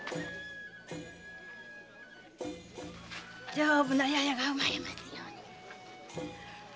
丈夫なややが生まれますように！